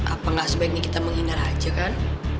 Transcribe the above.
apa gak sebaiknya kita menghindar aja kan